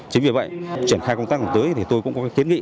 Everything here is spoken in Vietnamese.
chính vì vậy triển khai công tác hướng tới thì tôi cũng có kiến nghị